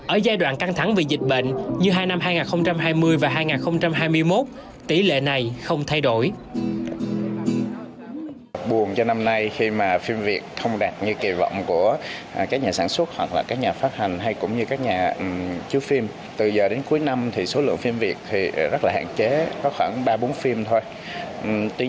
ở giai đoạn căng thẳng vì dịch bệnh như hai năm hai nghìn hai mươi và hai nghìn hai mươi một tỷ lệ này không thay đổi